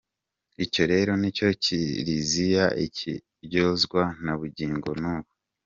Icyo rero nicyo Kiliziya ikiryozwa na bugingo n’ubu.